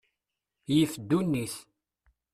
Yif ddunit.